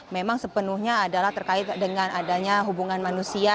memang sepenuhnya adalah terkait dengan adanya hubungan manusia